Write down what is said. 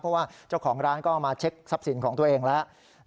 เพราะว่าเจ้าของร้านก็มาเช็คทรัพย์สินของตัวเองแล้ว